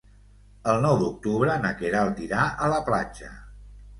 El nou d'octubre na Queralt irà a la platja.